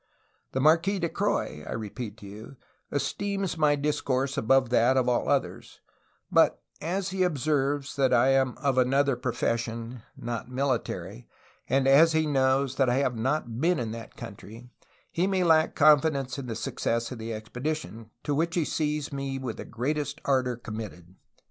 ." The Marques de Croix, I repeat to you, esteems my discourse above that of all others, but as he observes that I am of another profession [not military], and as he knows that I have not been in that country, he may lack confidence in the success of the expedi tion, to which he sees me with the greatest ardor committed.